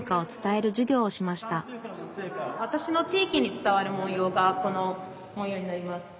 わたしの地域に伝わる文様がこの文様になります。